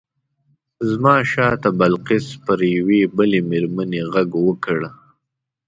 زما شاته بلقیس پر یوې بلې مېرمنې غږ کړ.